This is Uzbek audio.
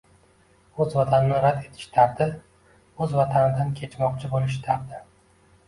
o‘z vatanini rad etish dardi, o‘z vatanidan kechmoqchi bo‘lish dardi